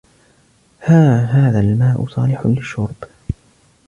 ها هذا الماء صالح للشرب؟